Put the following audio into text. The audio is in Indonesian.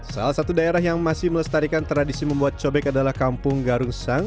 salah satu daerah yang masih melestarikan tradisi membuat cobek adalah kampung garungsang